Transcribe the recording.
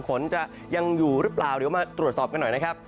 ฝนจะยังอยู่หรือเปล่าเดี๋ยวมาตรวจสอบกันหน่อยนะครับ